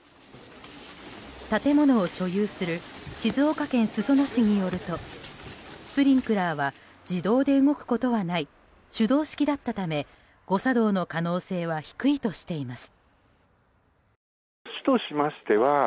建物を所有する静岡県裾野市によるとスプリンクラーは自動で動くことはない手動式だったため誤作動の可能性は低いとしています。